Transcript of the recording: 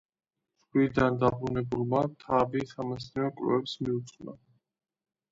ზღვიდან დაბრუნებულმა თავი სამეცნიერო კვლევებს მიუძღვნა.